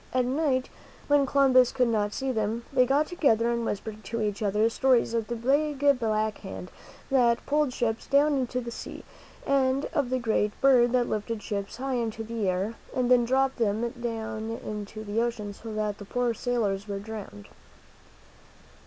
At night, when Columbus could not see them, they got together and whispered to each other stories of the big black hand that pulled ships down into the sea, and of the great bird that lifted ships high into the air and then dropped them deep into the ocean, so that the poor sailors were drowned.